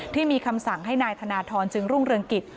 ที่มีคำสั่งให้นายธนทรจึงรุ่งเรืองกิจ